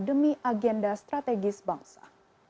demi agenda strategis bangsa